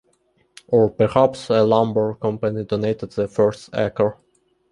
Or perhaps a lumber company donated the first acre.